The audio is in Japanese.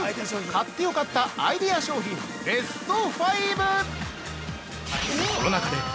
買ってよかったアイデア商品ベスト５！